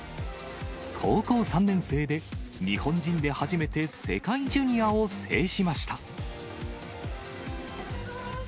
高校３年生で日本人で初めて世界ジュニアを制しました。